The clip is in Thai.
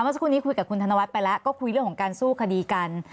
เมื่อสักครู่นี้คุยกับคุณธนวัฒน์ไปแล้วก็คุยเรื่องของการสู้คดีกัน